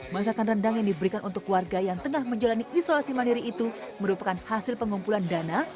masakan rendang yang diberikan untuk warga yang tengah menjalani isolasi mandiri itu merupakan hasil pengumpulan dana